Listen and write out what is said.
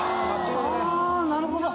なるほど。